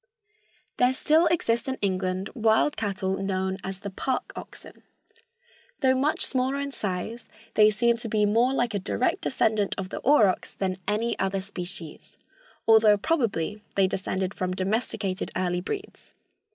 There still exist in England wild cattle known as the "park oxen." Though much smaller in size, they seem to be more like a direct descendant of the aurochs than any other species, although probably they descended from domesticated early breeds.